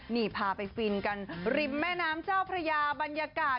นี่พาไปฟินกันริมแม่น้ำเจ้าพระยาบรรยากาศ